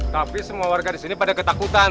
tapi semua warga disini pada ketakutan